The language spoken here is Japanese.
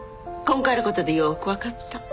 今回の事でよくわかった。